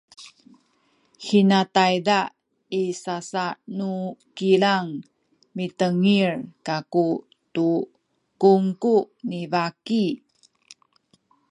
hina tayza i sasa nu kilang mitengil kaku tu kungku ni baki